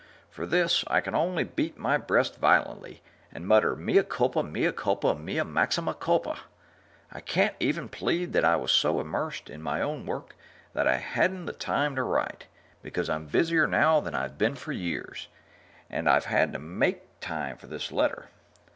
For this, I can only beat my breast violently and mutter mea culpa, mea culpa, mea maxima culpa. I can't even plead that I was so immersed in my own work that I hadn't the time to write, because I'm busier right now than I've been for years, and I've had to make time for this letter.